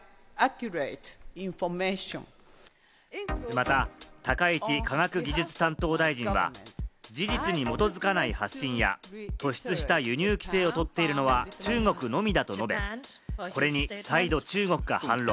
また高市科学技術担当大臣は事実に基づかない発信や、突出した輸入規制を取っているのは中国のみだと述べ、これに再度中国が反論。